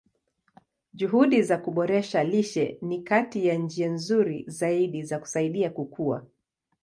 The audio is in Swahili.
Juhudi za kuboresha lishe ni kati ya njia nzuri zaidi za kusaidia kukua.